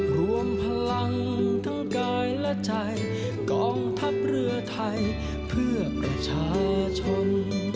รวมพลังทั้งกายและใจกองทัพเรือไทยเพื่อประชาชน